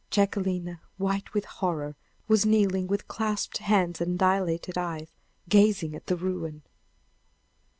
Jacquelina, white with horror, was kneeling with clasped hands and dilated eyes, gazing at the ruin.